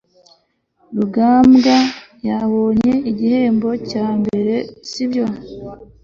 rugamba yabonye igihembo cya mbere, sibyo